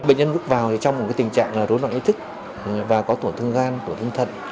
bệnh nhân bước vào trong một tình trạng rối loạn ý thức và có tổn thương gan tổn thương thận